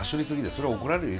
それは怒られるよ。